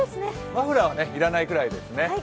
マフラーは要らないぐらいですね。